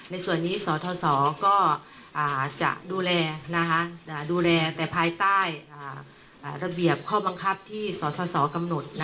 ในส่วนนี้สทศก็จะดูแลดูแลแต่ภายใต้ระเบียบข้อบังคับที่สสกำหนด